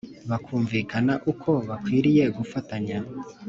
bakumvikana uko bakwiriye gufatanya